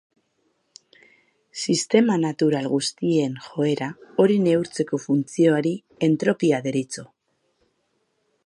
Sistema natural guztien joera hori neurtzeko funtzioari entropia deritzo.